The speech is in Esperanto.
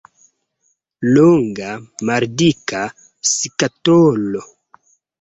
Longa, maldika skatolo.